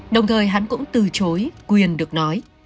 đồng thời hắn cũng từ chối quyền được nói